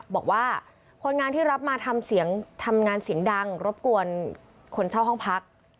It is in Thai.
บอกว่าคนงานที่รับมาทำเสียงทำงานเสียงดังรบกวนคนเช่าห้องพัก